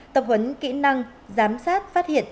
tập huấn kỹ năng giám sát phát hiện